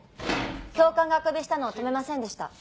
教官があくびしたのを止めませんでした。